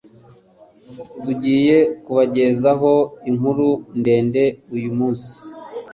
Tugiye kubagezaho inkuru ndende uyu munsi